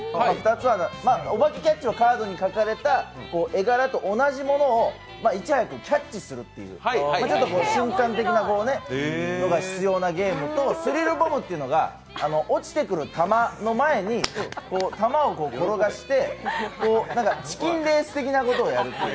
おばけキャッチはカードに描かれた絵柄と同じものをいち早くキャッチするっていう瞬間的なのが必要なゲームとスリルボムというのが落ちてくる玉の前に玉を転がしてチキンレース的なことをやるという。